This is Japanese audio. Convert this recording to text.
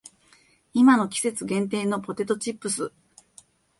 今の季節限定のポテトチップス